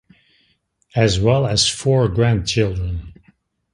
As well as four grandchildren.